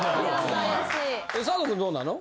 佐藤君どうなの？